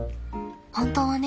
本当はね